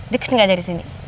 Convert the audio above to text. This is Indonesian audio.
deket nggak dari sini